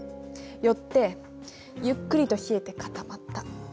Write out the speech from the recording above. よってゆっくりと冷えて固まった。